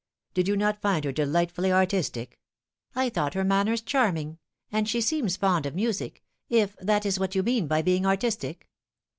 Did you not find her delightfully artistic ?"" I thought her manners charming : and she seems fond of music, if that is what you mean by being artistic."